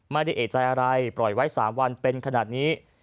ไม่ได้เอกใจอะไรปล่อยไว้๓วันเป็นขนาดนี้